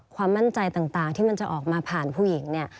ความมั่นใจต่างที่มันจะออกมาผ่านผู้หญิงเนี่ย